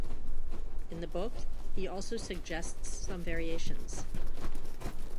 In the book, he also suggests some variations.